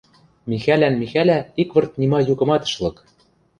Михӓлӓн Михӓлӓ ик вырт нима юкымат ӹш лык.